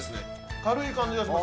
軽い感じがします。